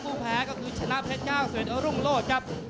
ผู้แผลก็คือชนะเพชรเก้าสเวทอรุ่งโลดครับ